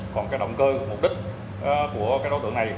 còn động cơ mục đích của đối tượng này